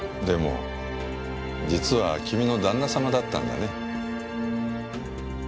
でも実は君の旦那様だったんだね。